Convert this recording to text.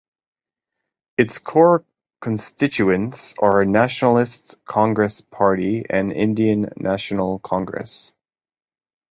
Its core constituents are Nationalist Congress Party and Indian National Congress.